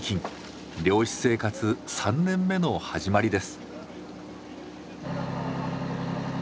漁師生活３年目の始まりです。